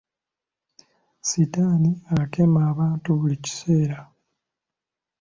Sitaani akema abantu buli kiseera.